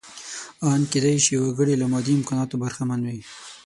ان کېدای شي وګړی له مادي امکاناتو برخمن وي.